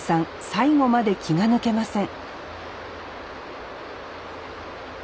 最後まで気が抜けません